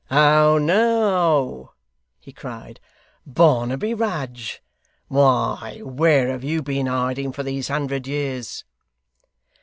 'How now!' he cried. 'Barnaby Rudge! Why, where have you been hiding for these hundred years?